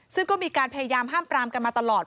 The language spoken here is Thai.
ซึ่งก็มีการพยายามห้ามปรามกันมาตลอด